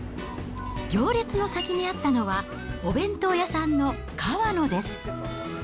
行列の先にあったのは、お弁当屋さんのかわのです。